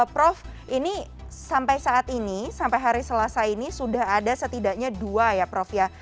prof ini sampai saat ini sampai hari selasa ini sudah ada setidaknya dua ya prof ya